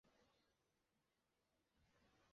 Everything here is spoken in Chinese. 进火仪式又称刈火是进香活动最重要的仪式。